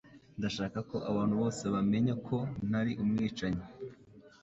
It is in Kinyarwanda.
Ndashaka ko abantu bose bamenya ko ntari umwicanyi